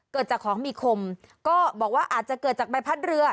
เกิดจากของมีคมก็บอกว่าอาจจะเกิดจากใบพัดเรือ